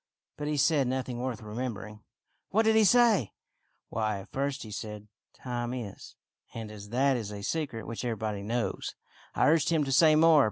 " But he said nothing worth remembering." " What did he say .?"" Why, at first he said, ' Time is,' and as that is a secret which everybody knows, I urged him to say more.